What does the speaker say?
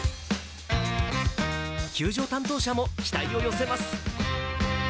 球場担当者も期待を寄せます。